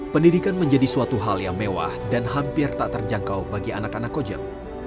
pendidikan menjadi suatu hal yang mewah dan hampir tak terjangkau bagi anak anak kojek